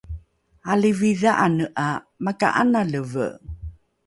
alivi dha’ane ’a maka’analeve